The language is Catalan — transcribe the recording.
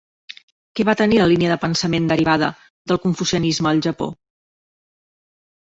Què va tenir la línia de pensament derivada del confucianisme al Japó?